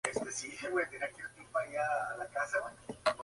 Su trazado se extiende totalmente en el departamento de Florida.